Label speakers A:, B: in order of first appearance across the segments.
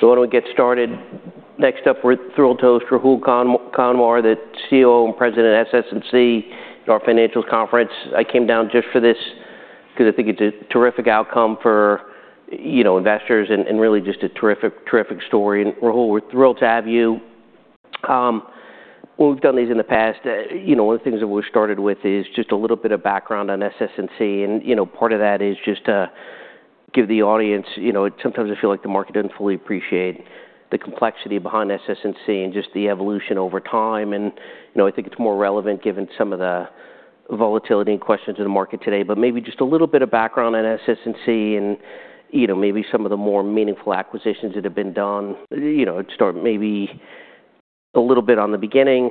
A: So why don't we get started. Next up, we're thrilled to host Rahul Kanwar, the COO and President of SS&C, at our financials conference. I came down just for this because I think it's a terrific outcome for investors and really just a terrific story. And Rahul, we're thrilled to have you. When we've done these in the past, one of the things that we started with is just a little bit of background on SS&C. And part of that is just to give the audience sometimes I feel like the market doesn't fully appreciate the complexity behind SS&C and just the evolution over time. And I think it's more relevant given some of the volatility and questions in the market today. But maybe just a little bit of background on SS&C and maybe some of the more meaningful acquisitions that have been done. Start maybe a little bit on the beginning,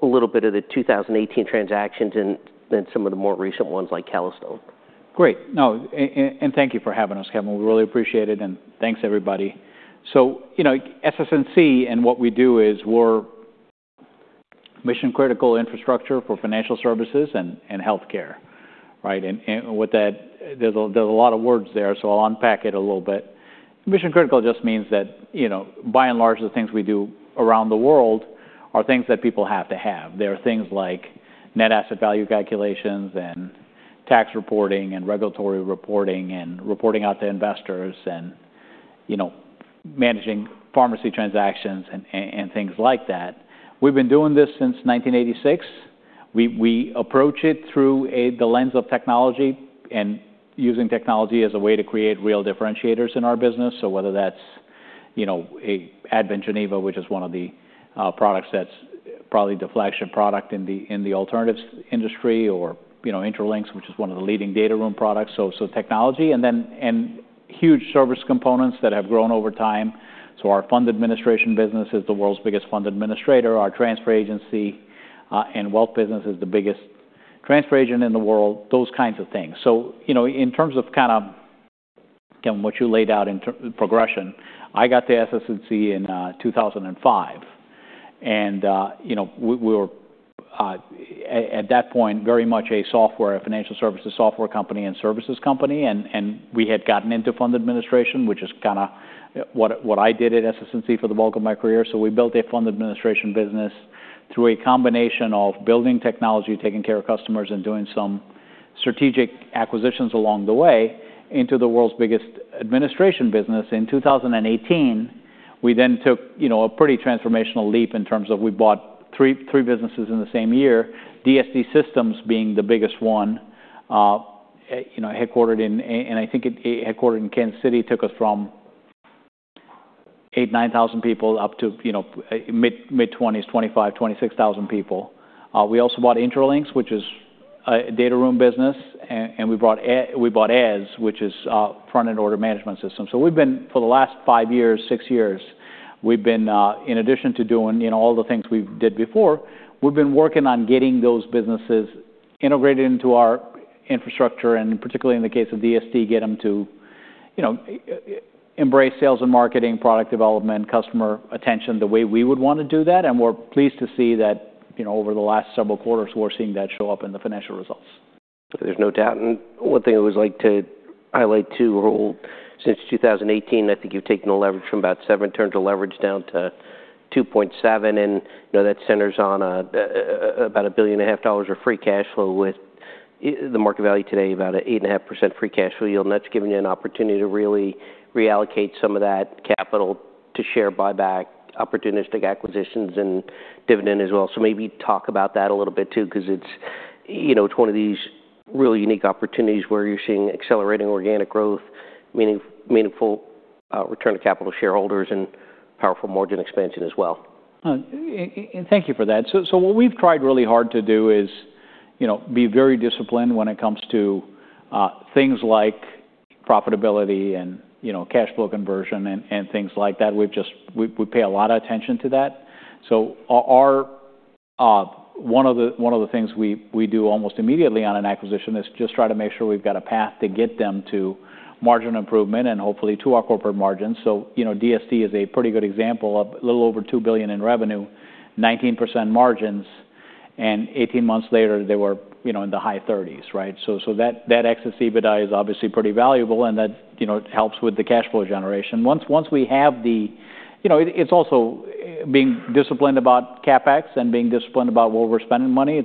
A: a little bit of the 2018 transactions, and then some of the more recent ones like Calastone.
B: Great. No, and thank you for having us, Kevin. We really appreciate it. And thanks, everybody. So SS&C and what we do is we're mission-critical infrastructure for financial services and healthcare. Right? And with that, there's a lot of words there. So I'll unpack it a little bit. Mission-critical just means that by and large, the things we do around the world are things that people have to have. There are things like net asset value calculations and tax reporting and regulatory reporting and reporting out to investors and managing pharmacy transactions and things like that. We've been doing this since 1986. We approach it through the lens of technology and using technology as a way to create real differentiators in our business. So whether that's Advent Geneva, which is one of the products that's probably the flagship product in the alternatives industry, or Intralinks, which is one of the leading data room products. So technology and huge service components that have grown over time. So our fund administration business is the world's biggest fund administrator. Our transfer agency and wealth business is the biggest transfer agent in the world. Those kinds of things. So in terms of kind of, Kevin, what you laid out in progression, I got to SS&C in 2005. And we were, at that point, very much a financial services software company and services company. And we had gotten into fund administration, which is kind of what I did at SS&C for the bulk of my career. So we built a fund administration business through a combination of building technology, taking care of customers, and doing some strategic acquisitions along the way into the world's biggest administration business. In 2018, we then took a pretty transformational leap in terms of we bought three businesses in the same year. DST Systems being the biggest one, headquartered in Kansas City took us from 8,000, 9,000 people up to mid-20s, 25,000, 26,000 people. We also bought Intralinks, which is a data room business. And we bought Eze, which is front-end order management system. So we've been, for the last five years, six years, in addition to doing all the things we did before, working on getting those businesses integrated into our infrastructure. And particularly in the case of DST, get them to embrace sales and marketing, product development, customer attention the way we would want to do that. And we're pleased to see that over the last several quarters, we're seeing that show up in the financial results.
A: There's no doubt. And one thing I always like to highlight too, Rahul, since 2018, I think you've taken a leverage from about 7%, turned a leverage down to 2.7%. And that centers on about $1.5 billion of free cash flow with the market value today, about an 8.5% free cash flow yield. And that's given you an opportunity to really reallocate some of that capital to share buyback, opportunistic acquisitions, and dividend as well. So maybe talk about that a little bit too because it's one of these really unique opportunities where you're seeing accelerating organic growth, meaningful return to capital shareholders, and powerful margin expansion as well.
B: Thank you for that. So what we've tried really hard to do is be very disciplined when it comes to things like profitability and cash flow conversion and things like that. We pay a lot of attention to that. So one of the things we do almost immediately on an acquisition is just try to make sure we've got a path to get them to margin improvement and hopefully to our corporate margins. So DST is a pretty good example of a little over $2 billion in revenue, 19% margins. And 18 months later, they were in the high 30s. Right? So that excess EBITDA is obviously pretty valuable. And that helps with the cash flow generation. Once we have the it's also being disciplined about CapEx and being disciplined about where we're spending money.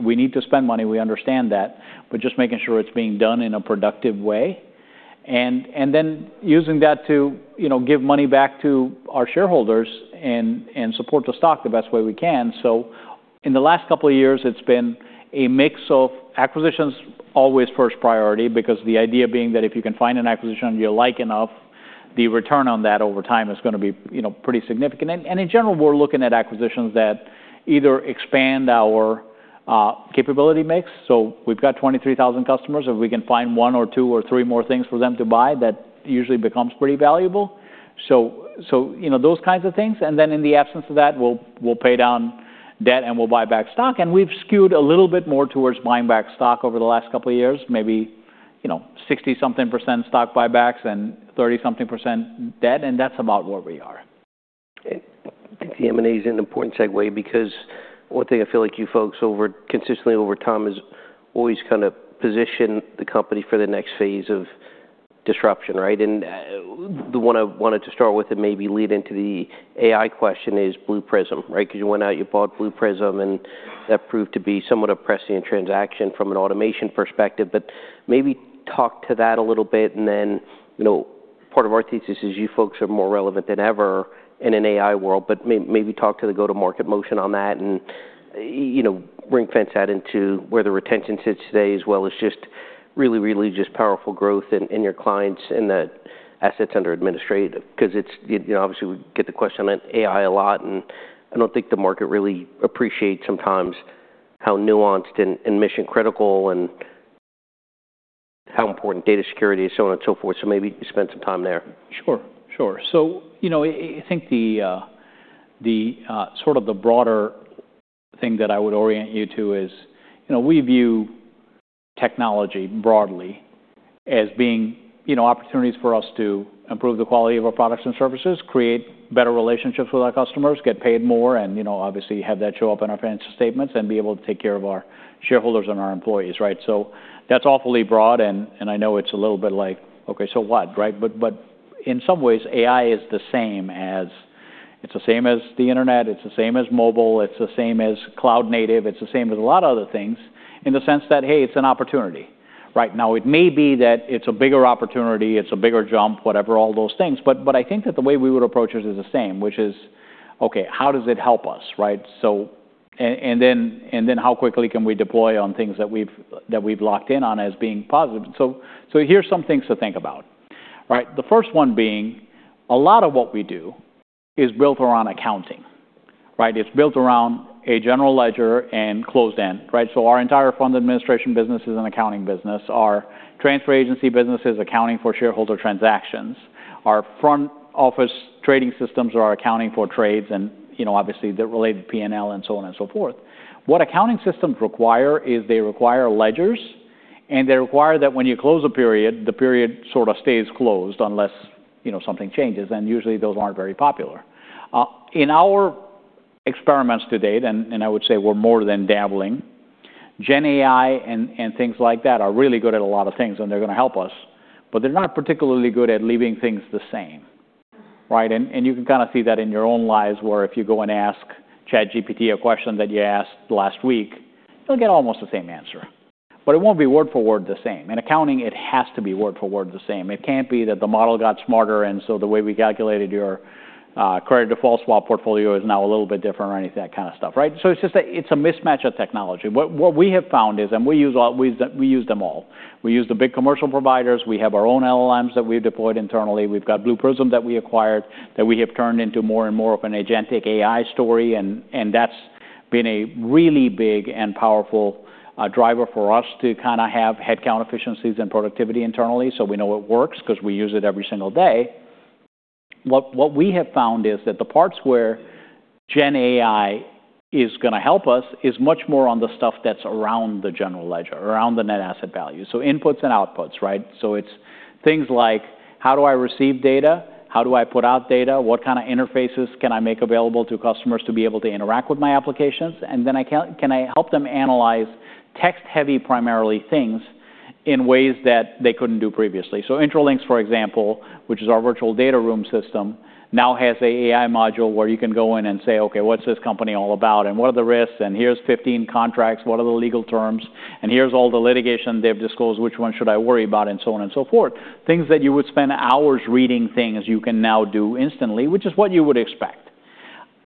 B: We need to spend money. We understand that. But just making sure it's being done in a productive way. And then using that to give money back to our shareholders and support the stock the best way we can. So in the last couple of years, it's been a mix of acquisitions always first priority because the idea being that if you can find an acquisition you like enough, the return on that over time is going to be pretty significant. And in general, we're looking at acquisitions that either expand our capability mix. So we've got 23,000 customers. If we can find one or two or three more things for them to buy, that usually becomes pretty valuable. So those kinds of things. And then in the absence of that, we'll pay down debt and we'll buy back stock. We've skewed a little bit more towards buying back stock over the last couple of years, maybe 60-something% stock buybacks and 30-something% debt. That's about where we are.
A: I think the M&A is an important segue because one thing I feel like you folks consistently over time is always kind of position the company for the next phase of disruption. Right? And the one I wanted to start with and maybe lead into the AI question is Blue Prism. Right? Because you went out, you bought Blue Prism. And that proved to be somewhat a pressing transaction from an automation perspective. But maybe talk to that a little bit. And then part of our thesis is you folks are more relevant than ever in an AI world. But maybe talk to the go-to-market motion on that and ring-fence that into where the retention sits today as well as just really, really just powerful growth in your clients and the assets under administration. Because obviously, we get the question on AI a lot. I don't think the market really appreciates sometimes how nuanced and mission-critical and how important data security is, so on and so forth. Maybe spend some time there.
B: Sure. Sure. So I think sort of the broader thing that I would orient you to is we view technology broadly as being opportunities for us to improve the quality of our products and services, create better relationships with our customers, get paid more, and obviously have that show up in our financial statements, and be able to take care of our shareholders and our employees. Right? So that's awfully broad. And I know it's a little bit like, okay, so what? Right? But in some ways, AI is the same as it's the same as the internet. It's the same as mobile. It's the same as cloud-native. It's the same as a lot of other things in the sense that, hey, it's an opportunity. Right? Now, it may be that it's a bigger opportunity. It's a bigger jump, whatever, all those things. But I think that the way we would approach it is the same, which is, okay, how does it help us? Right? And then how quickly can we deploy on things that we've locked in on as being positive? So here's some things to think about. Right? The first one being, a lot of what we do is built around accounting. Right? It's built around a general ledger and closed-end. Right? So our entire fund administration business is an accounting business. Our transfer agency business is accounting for shareholder transactions. Our front office trading systems are accounting for trades and obviously the related P&L and so on and so forth. What accounting systems require is they require ledgers. And they require that when you close a period, the period sort of stays closed unless something changes. And usually, those aren't very popular. In our experiments to date, and I would say we're more than dabbling, GenAI and things like that are really good at a lot of things. They're going to help us. They're not particularly good at leaving things the same. Right? You can kind of see that in your own lives where if you go and ask ChatGPT a question that you asked last week, you'll get almost the same answer. It won't be word-for-word the same. In accounting, it has to be word-for-word the same. It can't be that the model got smarter and so the way we calculated your Credit Default Swap portfolio is now a little bit different or anything, that kind of stuff. Right? It's just a mismatch of technology. What we have found is, and we use them all, we use the big commercial providers. We have our own LLMs that we've deployed internally. We've got Blue Prism that we acquired that we have turned into more and more of an agentic AI story. And that's been a really big and powerful driver for us to kind of have headcount efficiencies and productivity internally so we know it works because we use it every single day. What we have found is that the parts where GenAI is going to help us is much more on the stuff that's around the general ledger, around the net asset value. So inputs and outputs. Right? So it's things like, how do I receive data? How do I put out data? What kind of interfaces can I make available to customers to be able to interact with my applications? And then can I help them analyze text-heavy primarily things in ways that they couldn't do previously? So Intralinks, for example, which is our virtual data room system, now has an AI module where you can go in and say, okay, what's this company all about? And what are the risks? And here's 15 contracts. What are the legal terms? And here's all the litigation. They've disclosed which one should I worry about and so on and so forth. Things that you would spend hours reading things you can now do instantly, which is what you would expect.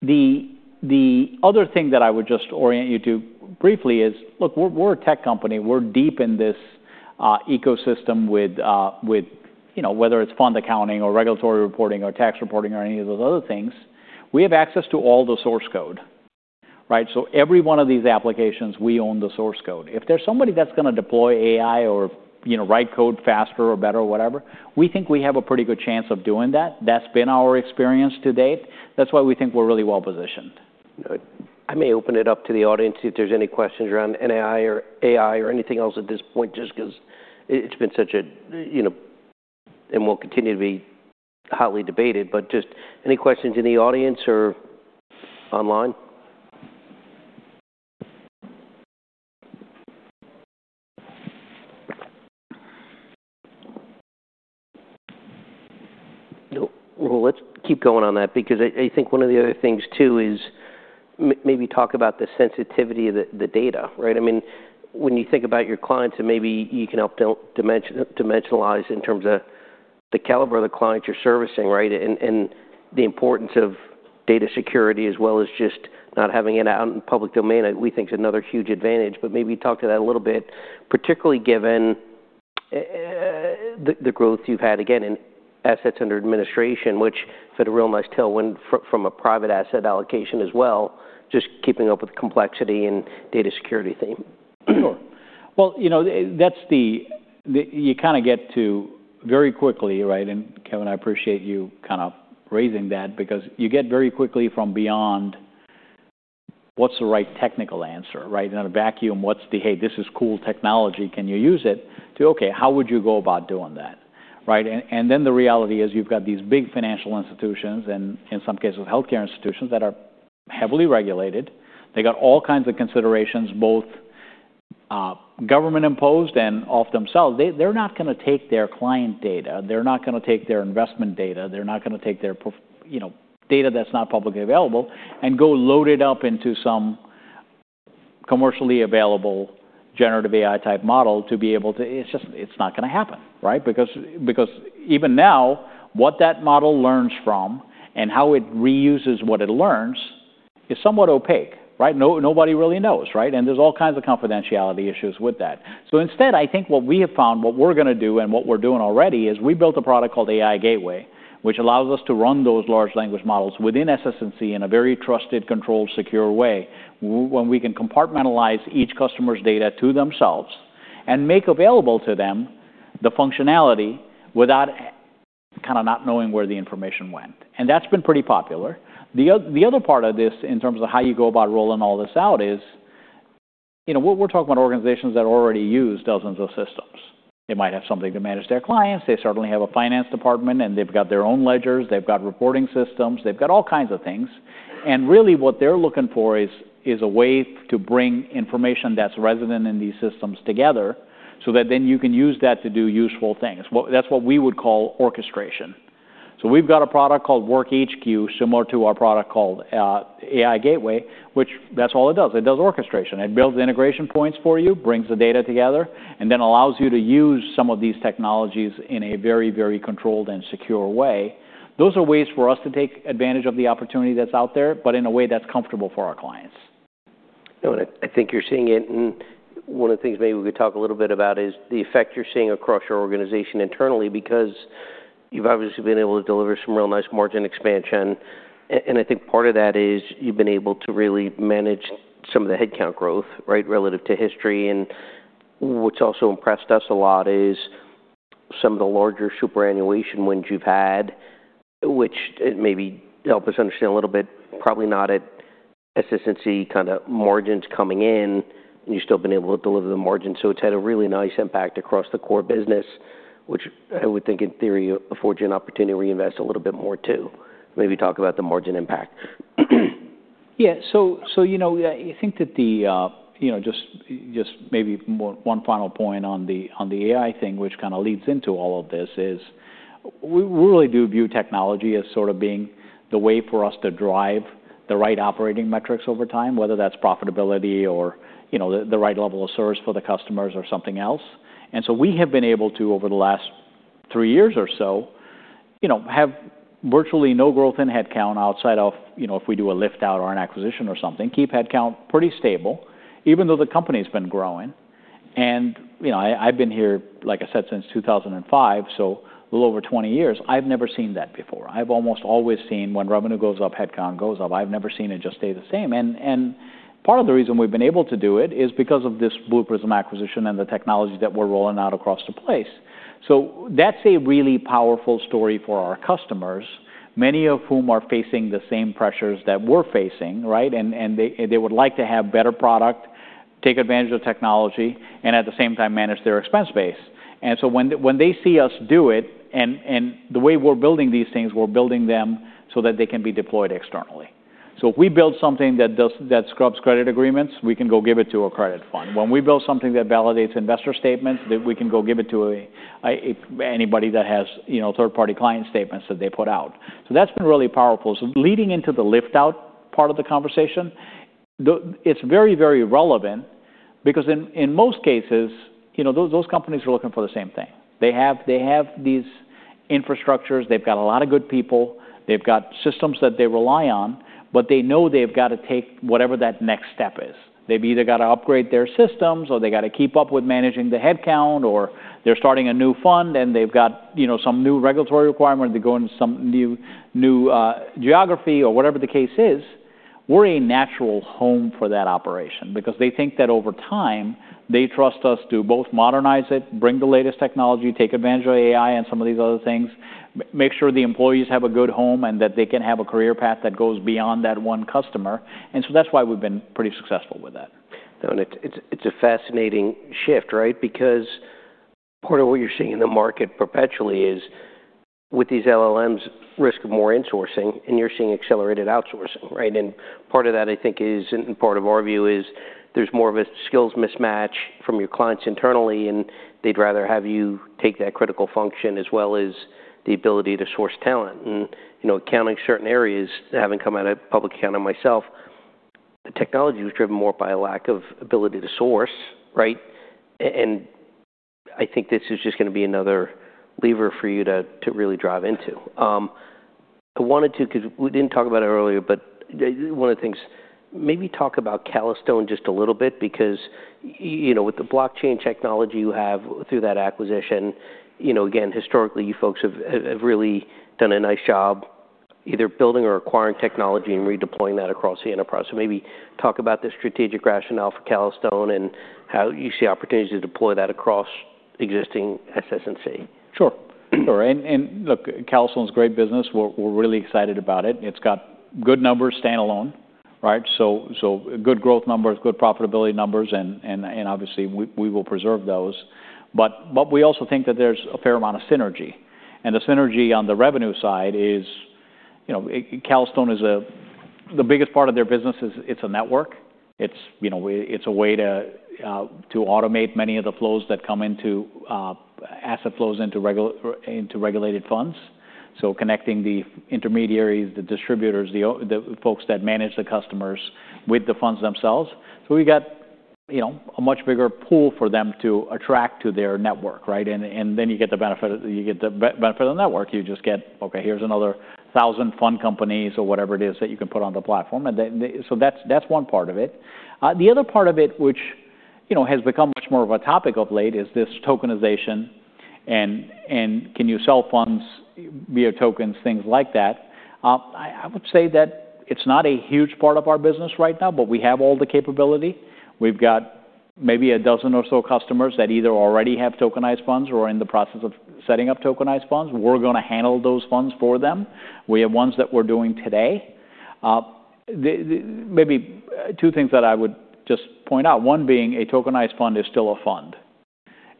B: The other thing that I would just orient you to briefly is, look, we're a tech company. We're deep in this ecosystem with whether it's fund accounting or regulatory reporting or tax reporting or any of those other things, we have access to all the source code. Right? So every one of these applications, we own the source code. If there's somebody that's going to deploy AI or write code faster or better or whatever, we think we have a pretty good chance of doing that. That's been our experience to date. That's why we think we're really well positioned.
A: I may open it up to the audience if there's any questions around GenAI or AI or anything else at this point just because it's been such a and will continue to be hotly debated. But just any questions in the audience or online? No, Rahul, let's keep going on that because I think one of the other things too is maybe talk about the sensitivity of the data. Right? I mean, when you think about your clients, and maybe you can help dimensionalize in terms of the caliber of the clients you're servicing, right, and the importance of data security as well as just not having it out in public domain, we think is another huge advantage. But maybe talk to that a little bit, particularly given the growth you've had, again, in assets under administration, which, if it were real nice, tell one from a private asset allocation as well, just keeping up with the complexity and data security theme.
B: Sure. Well, you kind of get to very quickly and Kevin, I appreciate you kind of raising that because you get very quickly from beyond what's the right technical answer. Right? And in a vacuum, what's the, hey, this is cool technology. Can you use it? To, okay, how would you go about doing that? Right? And then the reality is you've got these big financial institutions and in some cases, health care institutions that are heavily regulated. They've got all kinds of considerations, both government-imposed and of themselves. They're not going to take their client data. They're not going to take their investment data. They're not going to take their data that's not publicly available and go load it up into some commercially available generative AI type model to be able to, it's not going to happen. Right? Because even now, what that model learns from and how it reuses what it learns is somewhat opaque. Right? Nobody really knows. Right? And there's all kinds of confidentiality issues with that. So instead, I think what we have found, what we're going to do, and what we're doing already is we built a product called AI Gateway, which allows us to run those large language models within SS&C in a very trusted, controlled, secure way when we can compartmentalize each customer's data to themselves and make available to them the functionality without kind of not knowing where the information went. And that's been pretty popular. The other part of this in terms of how you go about rolling all this out is we're talking about organizations that already use dozens of systems. They might have something to manage their clients. They certainly have a finance department. They've got their own ledgers. They've got reporting systems. They've got all kinds of things. Really, what they're looking for is a way to bring information that's resident in these systems together so that then you can use that to do useful things. That's what we would call orchestration. We've got a product called WorkHQ, similar to our product called AI Gateway, which that's all it does. It does orchestration. It builds integration points for you, brings the data together, and then allows you to use some of these technologies in a very, very controlled and secure way. Those are ways for us to take advantage of the opportunity that's out there but in a way that's comfortable for our clients.
A: No, and I think you're seeing it. And one of the things maybe we could talk a little bit about is the effect you're seeing across your organization internally because you've obviously been able to deliver some real nice margin expansion. And I think part of that is you've been able to really manage some of the headcount growth relative to history. And what's also impressed us a lot is some of the larger superannuation wins you've had, which maybe help us understand a little bit, probably not at SS&C kind of margins coming in. And you've still been able to deliver the margins. So it's had a really nice impact across the core business, which I would think in theory affords you an opportunity to reinvest a little bit more too. Maybe talk about the margin impact.
B: Yeah. So I think that the just maybe one final point on the AI thing, which kind of leads into all of this, is we really do view technology as sort of being the way for us to drive the right operating metrics over time, whether that's profitability or the right level of service for the customers or something else. So we have been able to, over the last 3 years or so, have virtually no growth in headcount outside of if we do a liftout or an acquisition or something, keep headcount pretty stable even though the company's been growing. I've been here, like I said, since 2005, so a little over 20 years. I've never seen that before. I've almost always seen when revenue goes up, headcount goes up. I've never seen it just stay the same. Part of the reason we've been able to do it is because of this Blue Prism acquisition and the technology that we're rolling out across the place. That's a really powerful story for our customers, many of whom are facing the same pressures that we're facing. Right? They would like to have better product, take advantage of technology, and at the same time, manage their expense base. When they see us do it and the way we're building these things, we're building them so that they can be deployed externally. If we build something that scrubs credit agreements, we can go give it to a credit fund. When we build something that validates investor statements, we can go give it to anybody that has third-party client statements that they put out. That's been really powerful. So leading into the liftout part of the conversation, it's very, very relevant because in most cases, those companies are looking for the same thing. They have these infrastructures. They've got a lot of good people. They've got systems that they rely on. But they know they've got to take whatever that next step is. They've either got to upgrade their systems or they've got to keep up with managing the headcount. Or they're starting a new fund. And they've got some new regulatory requirement. They go into some new geography or whatever the case is. We're a natural home for that operation because they think that over time, they trust us to both modernize it, bring the latest technology, take advantage of AI and some of these other things, make sure the employees have a good home, and that they can have a career path that goes beyond that one customer. And so that's why we've been pretty successful with that.
A: No, and it's a fascinating shift. Right? Because part of what you're seeing in the market perpetually is with these LLMs, risk of more insourcing. And you're seeing accelerated outsourcing. Right? And part of that, I think, is and part of our view is there's more of a skills mismatch from your clients internally. And they'd rather have you take that critical function as well as the ability to source talent. And accounting certain areas, having come out of public accounting myself, the technology was driven more by a lack of ability to source. Right? And I think this is just going to be another lever for you to really drive into. I wanted to because we didn't talk about it earlier. But one of the things, maybe talk about Calastone just a little bit because with the blockchain technology you have through that acquisition, again, historically, you folks have really done a nice job either building or acquiring technology and redeploying that across the enterprise. So maybe talk about the strategic rationale for Calastone and how you see opportunities to deploy that across existing SS&C.
B: Sure. Sure. And look, Calastone's great business. We're really excited about it. It's got good numbers standalone. Right? So good growth numbers, good profitability numbers. And obviously, we will preserve those. But we also think that there's a fair amount of synergy. And the synergy on the revenue side is Calastone is the biggest part of their business is it's a network. It's a way to automate many of the flows that come into asset flows into regulated funds, so connecting the intermediaries, the distributors, the folks that manage the customers with the funds themselves. So we've got a much bigger pool for them to attract to their network. Right? And then you get the benefit of the network. You just get, okay, here's another 1,000 fund companies or whatever it is that you can put on the platform. And so that's one part of it. The other part of it, which has become much more of a topic of late, is this tokenization. And can you sell funds via tokens, things like that? I would say that it's not a huge part of our business right now. But we have all the capability. We've got maybe a dozen or so customers that either already have tokenized funds or are in the process of setting up tokenized funds. We're going to handle those funds for them. We have ones that we're doing today. Maybe two things that I would just point out, one being a tokenized fund is still a fund.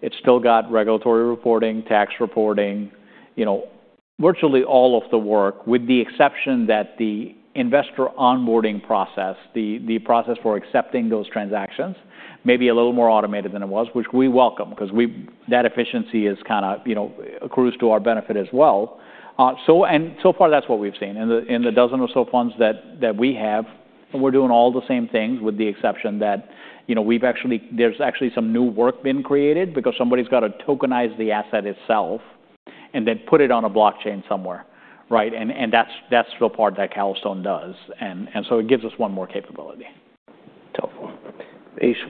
B: It's still got regulatory reporting, tax reporting, virtually all of the work, with the exception that the investor onboarding process, the process for accepting those transactions, may be a little more automated than it was, which we welcome because that efficiency kind of accrues to our benefit as well. And so far, that's what we've seen in the dozen or so funds that we have. And we're doing all the same things with the exception that there's actually some new work been created because somebody's got to tokenize the asset itself and then put it on a blockchain somewhere. Right? And that's the part that Calastone does. And so it gives us one more capability.
A: Helpful. Asia,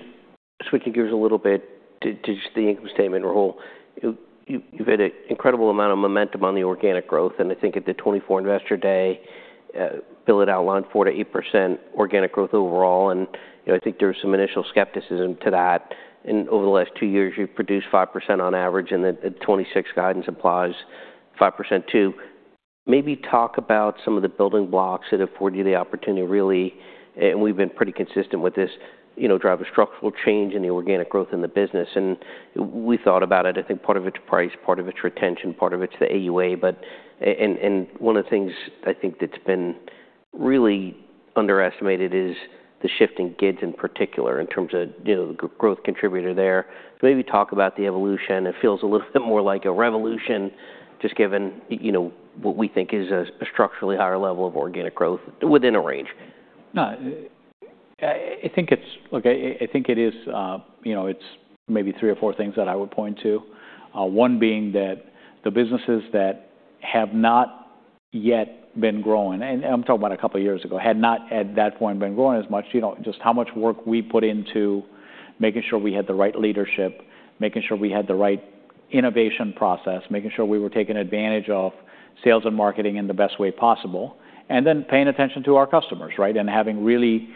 A: switching gears a little bit to just the income statement, Rahul, you've had an incredible amount of momentum on the organic growth. I think at the 2024 Investor Day, Bill had outlined 4%-8% organic growth overall. I think there was some initial skepticism to that. Over the last two years, you've produced 5% on average. The 2026 guidance implies 5% too. Maybe talk about some of the building blocks that afford you the opportunity to really and we've been pretty consistent with this drive a structural change in the organic growth in the business. We thought about it. I think part of it's price, part of it's retention, part of it's the AUA. But one of the things I think that's been really underestimated is the shift in GIDS in particular in terms of the growth contributor there. Maybe talk about the evolution. It feels a little bit more like a revolution just given what we think is a structurally higher level of organic growth within a range.
B: No, I think it is maybe three or four things that I would point to, one being that the businesses that have not yet been growing and I'm talking about a couple of years ago had not at that point been growing as much, just how much work we put into making sure we had the right leadership, making sure we had the right innovation process, making sure we were taking advantage of sales and marketing in the best way possible, and then paying attention to our customers and having really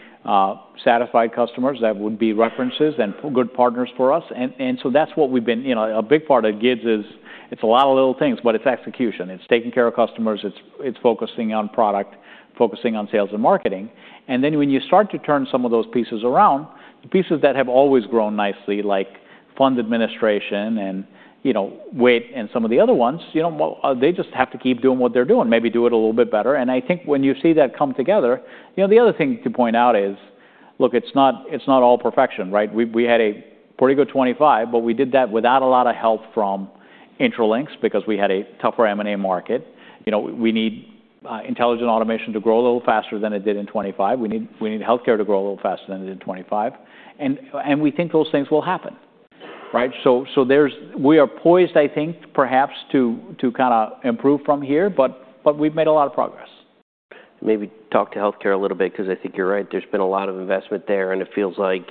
B: satisfied customers that would be references and good partners for us. And so that's what we've been a big part of GIDS is it's a lot of little things. But it's execution. It's taking care of customers. It's focusing on product, focusing on sales and marketing. And then when you start to turn some of those pieces around, the pieces that have always grown nicely, like fund administration and wealth and some of the other ones, they just have to keep doing what they're doing, maybe do it a little bit better. And I think when you see that come together, the other thing to point out is, look, it's not all perfection. Right? We had a pretty good 2025. But we did that without a lot of help from Intralinks because we had a tougher M&A market. We need intelligent automation to grow a little faster than it did in 2025. We need health care to grow a little faster than it did in 2025. And we think those things will happen. Right? So we are poised, I think, perhaps, to kind of improve from here. But we've made a lot of progress.
A: Maybe talk to health care a little bit because I think you're right. There's been a lot of investment there. And it feels like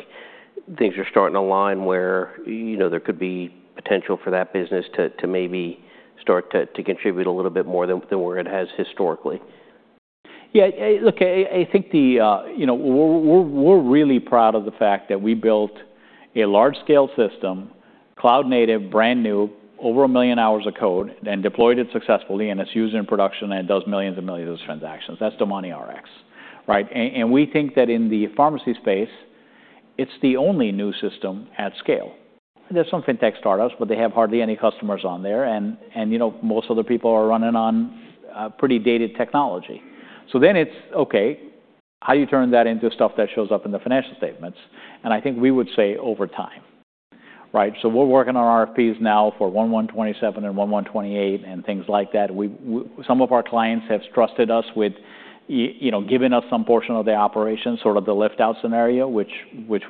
A: things are starting to align where there could be potential for that business to maybe start to contribute a little bit more than where it has historically.
B: Yeah. Look, I think we're really proud of the fact that we built a large-scale system, cloud-native, brand new, over 1 million hours of code, and deployed it successfully. And it's used in production. And it does millions and millions of transactions. That's DomaniRx. Right? And we think that in the pharmacy space, it's the only new system at scale. There's some fintech startups. But they have hardly any customers on there. And most other people are running on pretty dated technology. So then it's, okay, how do you turn that into stuff that shows up in the financial statements? And I think we would say over time. Right? So we're working on RFPs now for 1/1/27 and 1/1/28 and things like that. Some of our clients have trusted us with giving us some portion of the operation, sort of the liftout scenario, which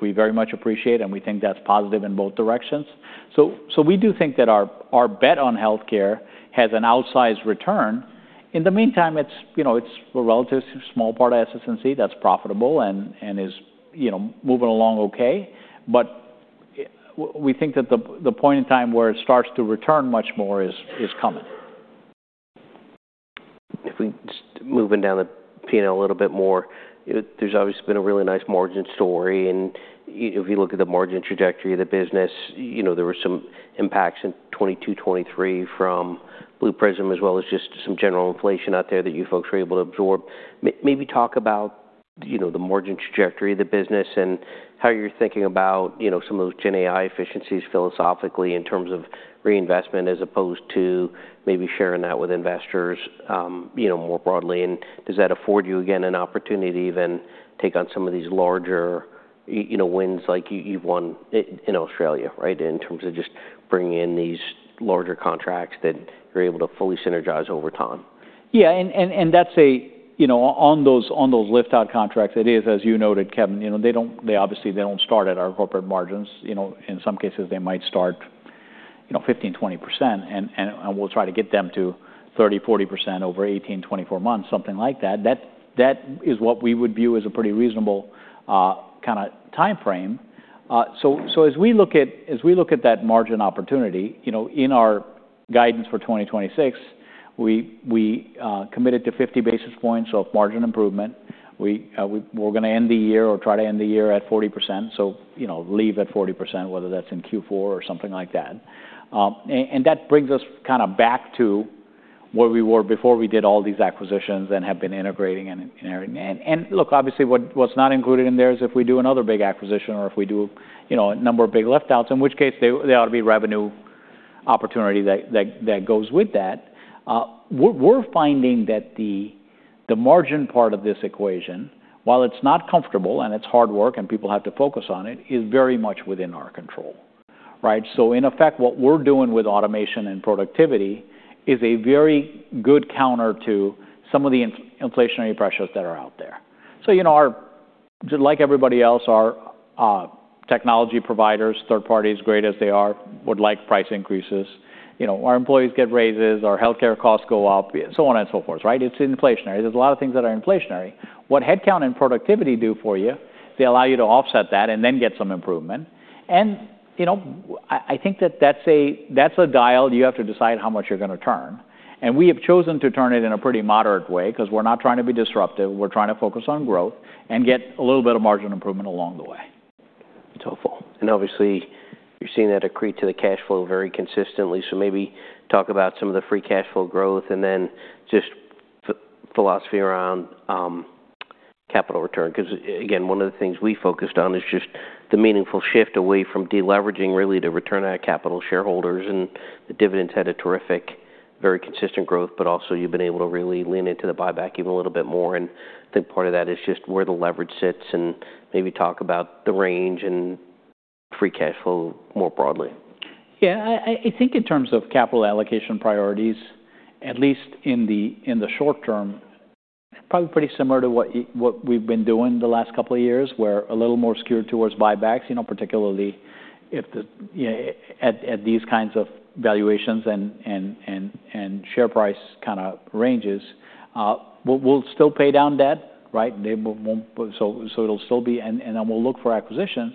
B: we very much appreciate. We think that's positive in both directions. We do think that our bet on health care has an outsized return. In the meantime, it's a relatively small part of SS&C that's profitable and is moving along okay. We think that the point in time where it starts to return much more is coming.
A: If we just move in down the panel a little bit more, there's obviously been a really nice margin story. And if you look at the margin trajectory of the business, there were some impacts in 2022 2023 from Blue Prism as well as just some general inflation out there that you folks were able to absorb. Maybe talk about the margin trajectory of the business and how you're thinking about some of those GenAI efficiencies philosophically in terms of reinvestment as opposed to maybe sharing that with investors more broadly. And does that afford you, again, an opportunity to even take on some of these larger wins like you've won in Australia in terms of just bringing in these larger contracts that you're able to fully synergize over time?
B: Yeah. And on those liftout contracts, it is, as you noted, Kevin, obviously, they don't start at our corporate margins. In some cases, they might start 15%-20%. And we'll try to get them to 30%-40% over 18-24 months, something like that. That is what we would view as a pretty reasonable kind of time frame. So as we look at that margin opportunity, in our guidance for 2026, we committed to 50 basis points of margin improvement. We're going to end the year or try to end the year at 40%, so leave at 40%, whether that's in Q4 or something like that. And that brings us kind of back to where we were before we did all these acquisitions and have been integrating and inheriting. And look, obviously, what's not included in there is if we do another big acquisition or if we do a number of big liftouts, in which case, there ought to be revenue opportunity that goes with that. We're finding that the margin part of this equation, while it's not comfortable and it's hard work and people have to focus on it, is very much within our control. Right? So in effect, what we're doing with automation and productivity is a very good counter to some of the inflationary pressures that are out there. So like everybody else, our technology providers, third parties, great as they are, would like price increases. Our employees get raises. Our health care costs go up, so on and so forth. Right? It's inflationary. There's a lot of things that are inflationary. What headcount and productivity do for you, they allow you to offset that and then get some improvement. I think that that's a dial you have to decide how much you're going to turn. We have chosen to turn it in a pretty moderate way because we're not trying to be disruptive. We're trying to focus on growth and get a little bit of margin improvement along the way.
A: Helpful. And obviously, you're seeing that accrete to the cash flow very consistently. So maybe talk about some of the free cash flow growth and then just philosophy around capital return because, again, one of the things we focused on is just the meaningful shift away from deleveraging really to return our capital shareholders. And the dividends had a terrific, very consistent growth. But also, you've been able to really lean into the buyback even a little bit more. And I think part of that is just where the leverage sits. And maybe talk about the range and free cash flow more broadly.
B: Yeah. I think in terms of capital allocation priorities, at least in the short term, probably pretty similar to what we've been doing the last couple of years, we're a little more skewed towards buybacks, particularly at these kinds of valuations and share price kind of ranges. We'll still pay down debt. Right? So it'll still be. And then we'll look for acquisitions.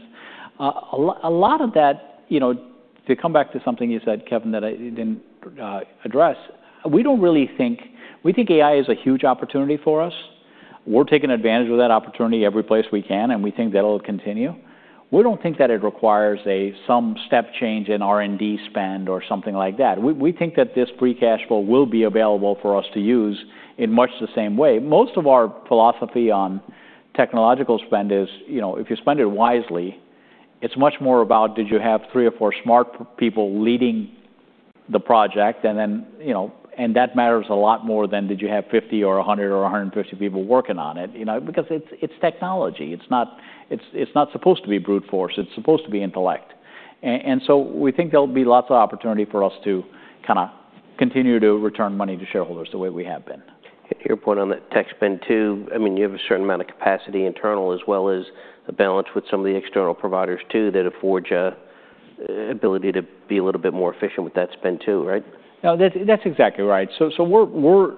B: A lot of that to come back to something you said, Kevin, that I didn't address, we don't really think we think AI is a huge opportunity for us. We're taking advantage of that opportunity every place we can. And we think that'll continue. We don't think that it requires some step change in R&D spend or something like that. We think that this free cash flow will be available for us to use in much the same way. Most of our philosophy on technological spend is, if you spend it wisely, it's much more about, did you have 3 or 4 smart people leading the project? And that matters a lot more than did you have 50 or 100 or 150 people working on it because it's technology. It's not supposed to be brute force. It's supposed to be intellect. And so we think there'll be lots of opportunity for us to kind of continue to return money to shareholders the way we have been.
A: Your point on the tech spend too, I mean, you have a certain amount of capacity internal as well as the balance with some of the external providers too that affords you the ability to be a little bit more efficient with that spend too. Right?
B: No, that's exactly right. So we're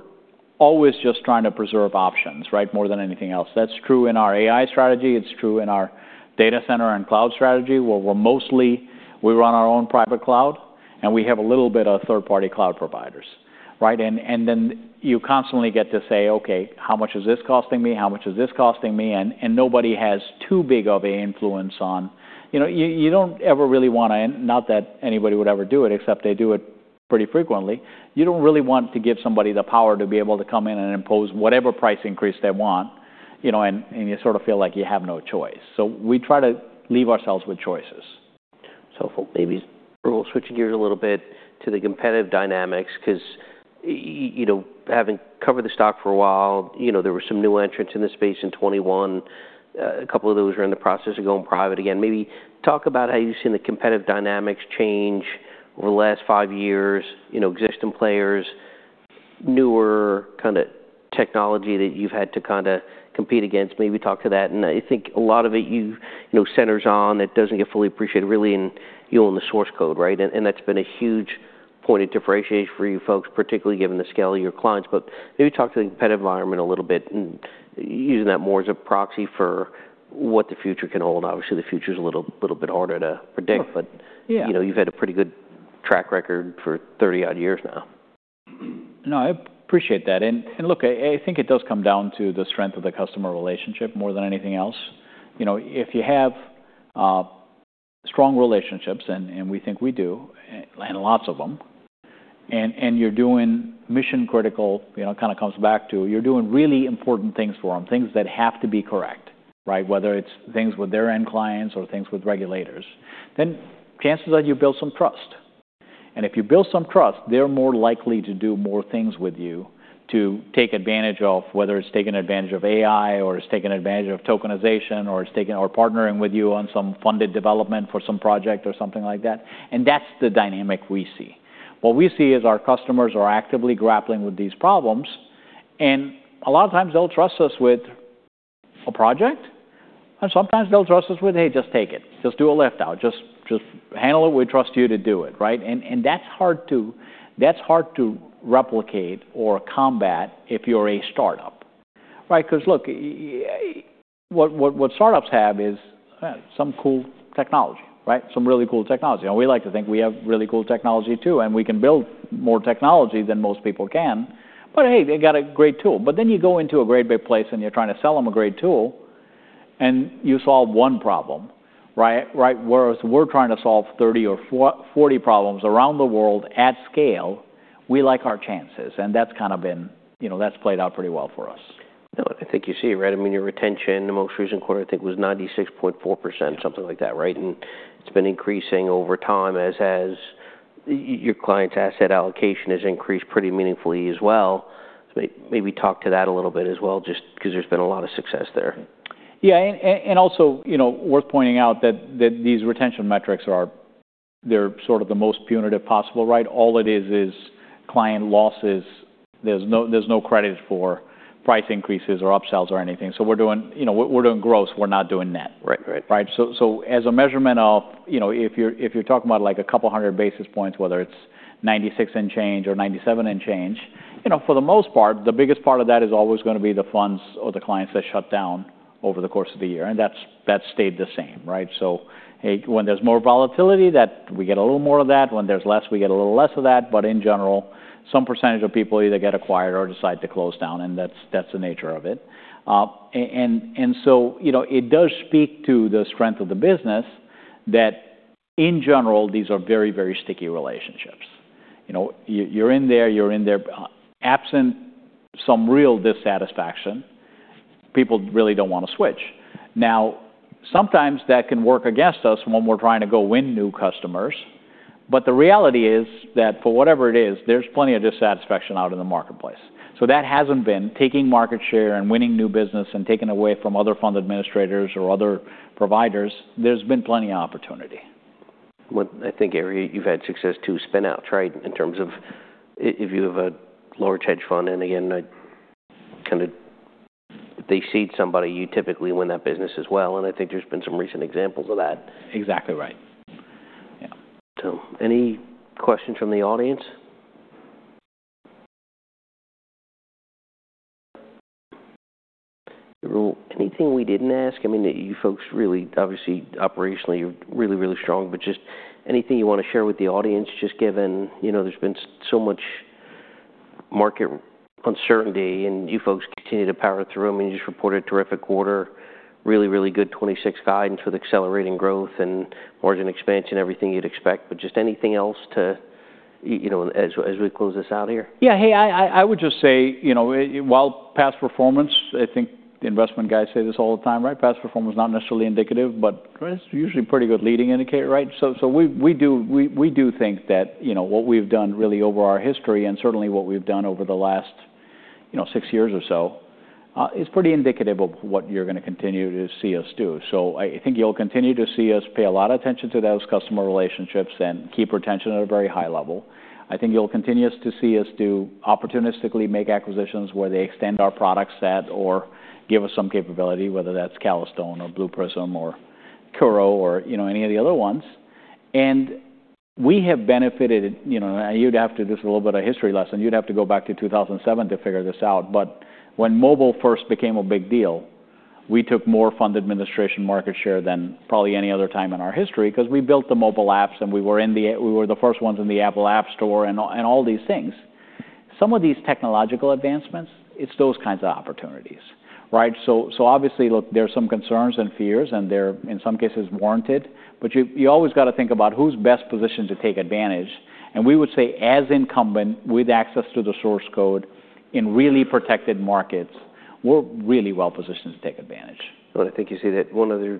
B: always just trying to preserve options more than anything else. That's true in our AI strategy. It's true in our data center and cloud strategy, where we're mostly, we run our own private cloud. And we have a little bit of third-party cloud providers. Right? And then you constantly get to say, okay, how much is this costing me? How much is this costing me? And nobody has too big of an influence on you. You don't ever really want to, not that anybody would ever do it except they do it pretty frequently. You don't really want to give somebody the power to be able to come in and impose whatever price increase they want. And you sort of feel like you have no choice. So we try to leave ourselves with choices.
A: Helpful. Maybe Rahul, switching gears a little bit to the competitive dynamics because having covered the stock for a while, there were some new entrants in this space in 2021. A couple of those were in the process of going private again. Maybe talk about how you've seen the competitive dynamics change over the last five years, existing players, newer kind of technology that you've had to kind of compete against. Maybe talk to that. And I think a lot of it centers on it doesn't get fully appreciated really in you owning the source code. Right? And that's been a huge point of differentiation for you folks, particularly given the scale of your clients. But maybe talk to the competitive environment a little bit and using that more as a proxy for what the future can hold. Obviously, the future is a little bit harder to predict. You've had a pretty good track record for 30-odd years now.
B: No, I appreciate that. And look, I think it does come down to the strength of the customer relationship more than anything else. If you have strong relationships and we think we do and lots of them and you're doing mission-critical kind of comes back to you're doing really important things for them, things that have to be correct, whether it's things with their end clients or things with regulators, then chances are you build some trust. And if you build some trust, they're more likely to do more things with you, to take advantage of whether it's taking advantage of AI or it's taking advantage of tokenization or partnering with you on some funded development for some project or something like that. And that's the dynamic we see. What we see is our customers are actively grappling with these problems. And a lot of times, they'll trust us with a project. And sometimes, they'll trust us with, hey, just take it. Just do a liftout. Just handle it. We trust you to do it. Right? And that's hard to replicate or combat if you're a startup because, look, what startups have is some cool technology, some really cool technology. And we like to think we have really cool technology too. And we can build more technology than most people can. But hey, they've got a great tool. But then you go into a great big place. And you're trying to sell them a great tool. And you solve one problem. Whereas we're trying to solve 30 or 40 problems around the world at scale, we like our chances. And that's kind of been played out pretty well for us.
A: I think you see it. Right? I mean, your retention, the most recent quarter, I think was 96.4%, something like that. Right? And it's been increasing over time as your clients' asset allocation has increased pretty meaningfully as well. Maybe talk to that a little bit as well just because there's been a lot of success there.
B: Yeah. And also, worth pointing out that these retention metrics, they're sort of the most punitive possible. Right? All it is is client losses. There's no credit for price increases or upsells or anything. So we're doing gross. We're not doing net. Right? So as a measurement of if you're talking about like a couple hundred basis points, whether it's 96 and change or 97 and change, for the most part, the biggest part of that is always going to be the funds or the clients that shut down over the course of the year. And that's stayed the same. Right? So when there's more volatility, we get a little more of that. When there's less, we get a little less of that. But in general, some percentage of people either get acquired or decide to close down. And that's the nature of it. And so it does speak to the strength of the business that, in general, these are very, very sticky relationships. You're in there. You're in there. Absent some real dissatisfaction, people really don't want to switch. Now, sometimes, that can work against us when we're trying to go win new customers. But the reality is that for whatever it is, there's plenty of dissatisfaction out in the marketplace. So that hasn't been taking market share and winning new business and taking away from other fund administrators or other providers. There's been plenty of opportunity.
A: I think, Gary, you've had success with spin-out, right, in terms of if you have a large hedge fund. And again, if they seed somebody, you typically win that business as well. And I think there's been some recent examples of that.
C: Exactly right. Yeah.
A: Any questions from the audience? Rahul, anything we didn't ask? I mean, you folks really, obviously, operationally, you're really, really strong. But just anything you want to share with the audience just given there's been so much market uncertainty. And you folks continue to power through. I mean, you just reported a terrific quarter, really, really good 2026 guidance with accelerating growth and margin expansion, everything you'd expect. But just anything else as we close this out here?
B: Yeah. Hey, I would just say while past performance I think the investment guys say this all the time. Right? Past performance is not necessarily indicative. But it's usually a pretty good leading indicator. Right? So we do think that what we've done really over our history and certainly what we've done over the last six years or so is pretty indicative of what you're going to continue to see us do. So I think you'll continue to see us pay a lot of attention to those customer relationships and keep retention at a very high level. I think you'll continue to see us do opportunistically make acquisitions where they extend our product set or give us some capability, whether that's Calastone or Blue Prism or Curo or any of the other ones. And we have benefited, and you'd have to. This is a little bit of a history lesson. You'd have to go back to 2007 to figure this out. But when mobile first became a big deal, we took more fund administration market share than probably any other time in our history because we built the mobile apps. And we were the first ones in the Apple App Store and all these things. Some of these technological advancements, it's those kinds of opportunities. Right? So obviously, look, there are some concerns and fears. And they're, in some cases, warranted. But you always got to think about who's best positioned to take advantage. And we would say, as incumbent with access to the source code in really protected markets, we're really well positioned to take advantage.
A: I think you see that one other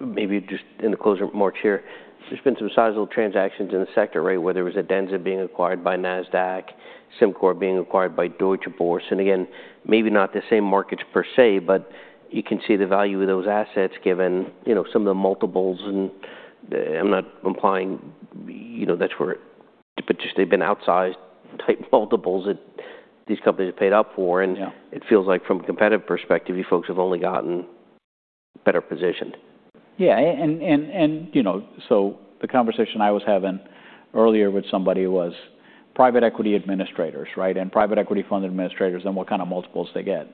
A: maybe just in the closing march here, there's been some sizable transactions in the sector, right, whether it was Adenza being acquired by Nasdaq, SimCorp being acquired by Deutsche Börse. Again, maybe not the same markets per se. But you can see the value of those assets given some of the multiples. I'm not implying that's where it but just they've been outsized type multiples that these companies have paid up for. It feels like, from a competitive perspective, you folks have only gotten better positioned.
B: Yeah. And so the conversation I was having earlier with somebody was private equity administrators. Right? And private equity fund administrators, then what kind of multiples they get?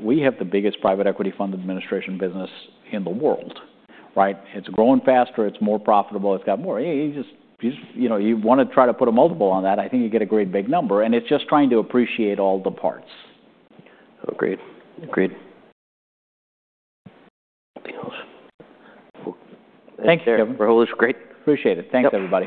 B: We have the biggest private equity fund administration business in the world. Right? It's growing faster. It's more profitable. It's got more. You want to try to put a multiple on that. I think you get a great big number. And it's just trying to appreciate all the parts.
A: Agreed. Agreed.
B: Anything else? Thank you, Kevin.
A: Rahul, it was great.
B: Appreciate it.
A: Thanks, everybody.